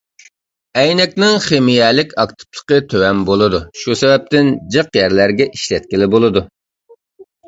ئەينەكنىڭ خىمىيەلىك ئاكتىپلىقى تۆۋەن بولىدۇ، شۇ سەۋەبتىن جىق يەرلەرگە ئىشلەتكىلى بولىدۇ.